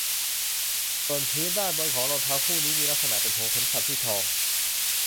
ส่วนพื้นด้านบนของรองเท้าคู่นี้มีลักษณะเป็นหัวเข็มขัดที่ทอง